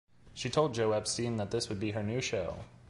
She told Joe Epstein that this would be her new show.